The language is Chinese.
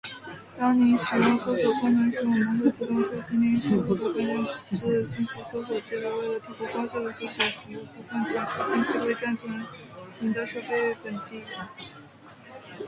当您使用搜索功能时，我们会自动收集您输入的关键字信息、搜索记录。为了提供高效的搜索服务，部分前述信息会暂存在您的设备本地，并向您展示搜索历史记录，您可点击删除搜索历史记录。